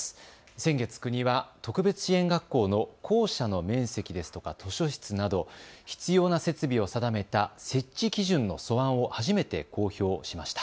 先月、国は特別支援学校の校舎の面積ですとか図書室など必要な設備を定めた設置基準の素案を初めて公表しました。